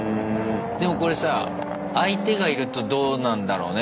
でもこれさ相手がいるとどうなんだろうね？